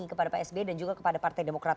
kepada pak sby dan juga kepada partai demokrat